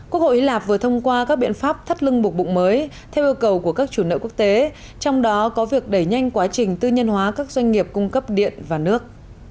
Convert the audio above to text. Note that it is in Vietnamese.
quốc hội lạp vừa thông qua các biện pháp thắt lưng buộc bụng mới theo yêu cầu của các chủ nợ quốc tế trong đó có việc đẩy nhanh quá trình tư nhân hóa các doanh nghiệp cung cấp điện và nước